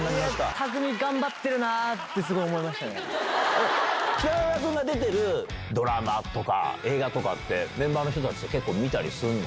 匠海、頑張ってるなってすご北村君が出てるドラマとか、映画とかってメンバーの人たちって、結構見たりするの？